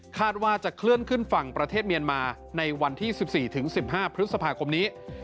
ว่าจะเคลื่อนขึ้นฝั่งประเทศเมียนมาในวันที่๑๔๑๕พฤษภาคมนี้